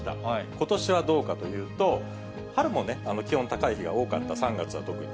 ことしはどうかというと、春もね、気温高い日が多かった、３月は特に。